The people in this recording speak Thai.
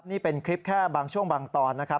นี่เป็นคลิปแค่บางช่วงบางตอนนะครับ